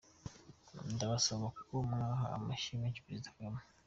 Ndabasaba ko mwaha amashyi menshi Perezida Kagame.”